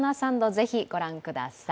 ぜひご覧ください！